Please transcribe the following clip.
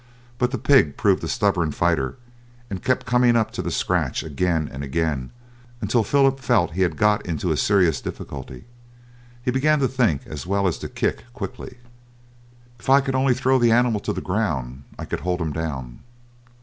But the pig proved a stubborn fighter, and kept coming up to the scratch again and again, until Philip felt he had got into a serious difficulty. He began to think as well as to kick quickly. "If I could only throw the animal to the ground I could hold him down."